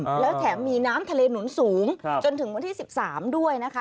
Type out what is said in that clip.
แล้วแถมมีน้ำทะเลหนุนสูงครับจนถึงวันที่สิบสามด้วยนะคะ